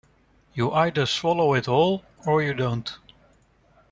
You either swallow it whole-or you don't.